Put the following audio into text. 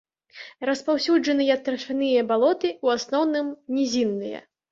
Распаўсюджаны тарфяныя балоты, у асноўным нізінныя.